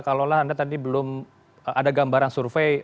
kalau lah anda tadi belum ada gambaran survei